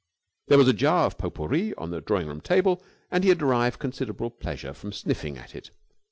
There was a jar of pot pourri on the drawing room table, and he had derived considerable pleasure from sniffing at it.